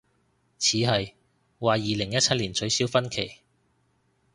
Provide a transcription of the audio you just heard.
似係，話二零一七年取消婚期